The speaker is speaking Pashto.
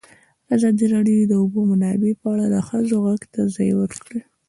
ازادي راډیو د د اوبو منابع په اړه د ښځو غږ ته ځای ورکړی.